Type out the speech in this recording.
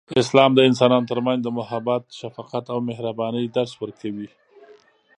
اسلام د انسانانو ترمنځ د محبت، شفقت، او مهربانۍ درس ورکوي.